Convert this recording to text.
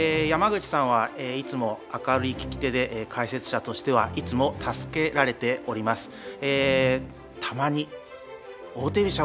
山口さんはいつも明るい聞き手で解説者としてはいつも助けられております。